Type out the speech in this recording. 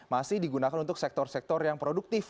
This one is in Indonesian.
masih digunakan untuk sektor sektor yang produktif